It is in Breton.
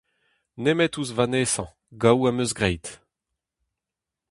Nemet ouzh va nesañ, gaou am eus graet !